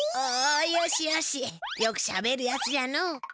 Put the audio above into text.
およしよしよくしゃべるやつじゃのう。